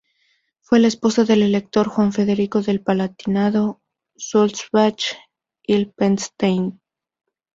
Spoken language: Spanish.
Fue la esposa del elector Juan Federico del Palatinado-Sulzbach-Hilpoltstein.